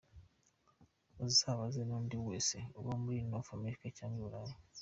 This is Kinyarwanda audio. Uzabaze nundi wese uba muri North America cg i Burayi.